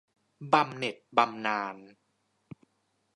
บำเหน็จบำนาญ